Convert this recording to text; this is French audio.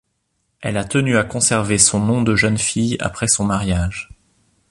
Elle a tenu à conserver son nom de jeune fille après son mariage.